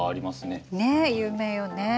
ねえ有名よね。